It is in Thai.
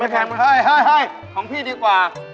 ให้ของพี่ดีกว่า